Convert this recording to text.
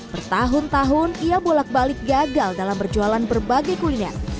bertahun tahun ia bolak balik gagal dalam berjualan berbagai kuliner